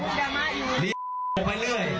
เรียกมั้งไปเรื่อย